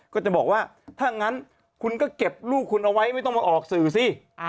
ก็จะบอกว่าถ้างั้นคุณก็เก็บลูกคุณเอาไว้ไม่ต้องมาออกสื่อสิ